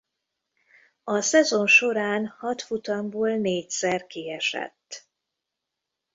A szezon során hat futamból négyszer kiesett.